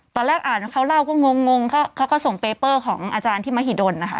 ตอนแรกอ่านเขาเล่าก็งงเขาก็ส่งเปเปอร์ของอาจารย์ที่มหิดลนะคะ